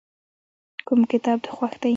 کوم کتاب دې خوښ دی.